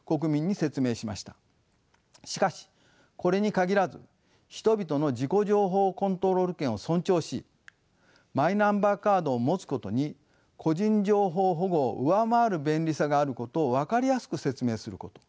しかしこれに限らず人々の自己情報コントロール権を尊重しマイナンバーカードを持つことに個人情報保護を上回る便利さがあることを分かりやすく説明すること。